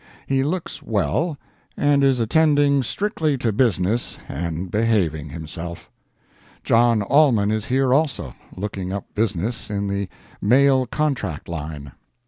He looks well, and is attending strictly to business and behaving himself. John Allman is here also, looking up business in the mail contract line.